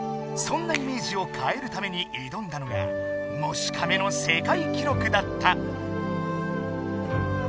そんなイメージを変えるためにいどんだのが「もしかめ」の世界記録だった。